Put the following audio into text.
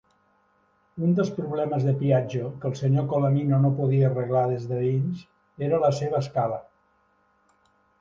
Un dels problemes de Piaggio que el senyor Colaninno no podia arreglar des de dins era la seva escala.